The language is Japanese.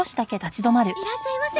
いらっしゃいませ。